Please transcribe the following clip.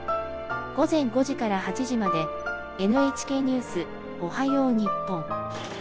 「午前５時から８時まで『ＮＨＫニュースおはよう日本』。